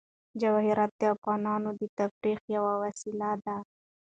جواهرات د افغانانو د تفریح یوه وسیله ده.